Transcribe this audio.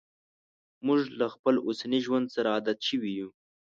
موږ له خپل اوسني ژوند سره عادت شوي یو.